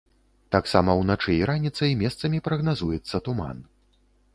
Таксама ўначы і раніцай месцамі прагназуецца туман.